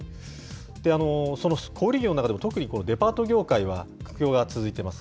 その小売り業の中でも特にデパート業界は、苦境が続いています。